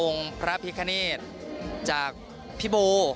องค์พระพิคเนศจากพิโบ